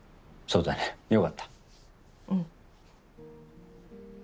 うん。